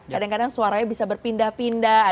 kadang kadang suaranya bisa berpindah pindah